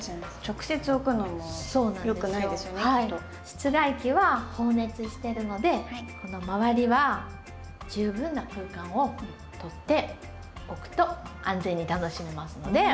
室外機は放熱してるのでこの周りは十分な空間を取っておくと安全に楽しめますので。